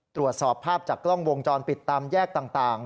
ตรวจสอบภาพจากกล้องวงจรปิดตามแยกต่าง